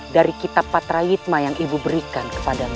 dari kitab patra yitma yang ibu berikan kepadamu